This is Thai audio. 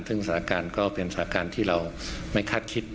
ซึ่งสถานการณ์ก็เป็นสถานการณ์ที่เราไม่คาดคิด